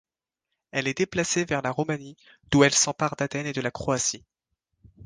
Elle est déplacée vers la Roumanie, d'où elle s'empare d'Athènes et de la Croatie.